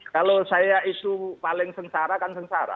kalau saya itu paling sengsara kan sengsara